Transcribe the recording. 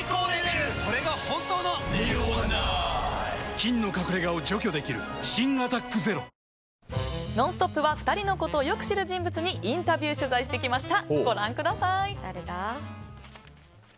菌の隠れ家を除去できる新「アタックＺＥＲＯ」「ノンストップ！」は２人のことをよく知る人物にインタビュー取材してきました。